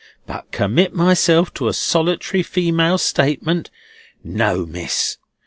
But commit myself to a solitary female statement, no, Miss!